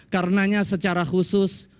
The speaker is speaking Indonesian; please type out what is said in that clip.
karenanya secara khusus